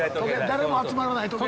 誰も集まらない時計台。